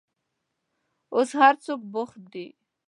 اوس هر څوک بوخت دي.